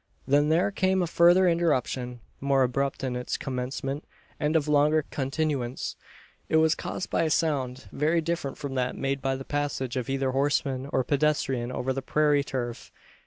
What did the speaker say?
Then there came a further interruption; more abrupt in its commencement, and of longer continuance. It was caused by a sound, very different from that made by the passage of either horseman or pedestrian over the prairie turf.